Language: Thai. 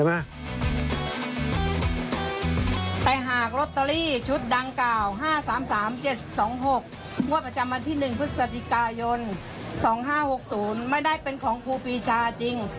พฤศจิกายน๒๕๖๐ไม่ได้เป็นของภูปีชาจริง